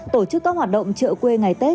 tổ chức các hoạt động trợ khuẩn